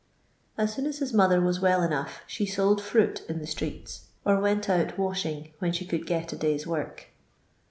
As soon as liis mother was well enough she sold fruit in the streets, or went out washing when she could get a day's worV..